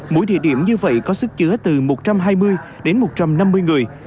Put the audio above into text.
mỗi địa điểm như vậy có sức chứa từ một trăm hai mươi đến một trăm năm mươi người